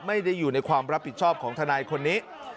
ไม่ได้อยู่ในความรับผิดชอบของทนายคนนี้